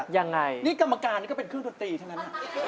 ยังไงนี่กรรมการนี่ก็เป็นเครื่องดนตรีเท่านั้น